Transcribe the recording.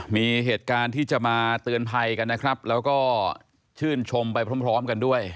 มีเหตุการณ์ที่จะมาเตือนภัยกันนะครับแล้วก็ชื่นชมไปพร้อมกันด้วย